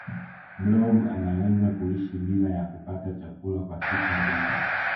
blob anaweza kuishi bila ya kupata chakula kwa siku mbili